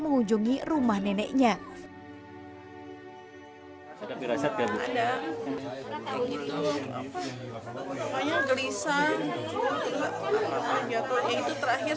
mengunjungi rumah neneknya hai sedap dirasa tidak ada kayak gitu pokoknya gelisah jatuhnya itu terakhir